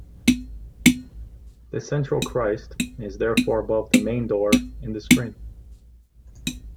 The central Christ is therefore above the main door in the screen.